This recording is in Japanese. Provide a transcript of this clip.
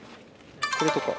これとか。